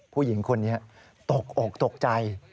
ผู้หญิงคนนี้ตกอกตกใจ